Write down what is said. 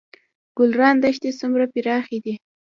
ګلران دښتې څومره پراخې دي؟